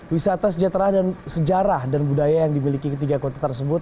wisata sejahtera dan sejarah dan budaya yang dimiliki ketiga kota tersebut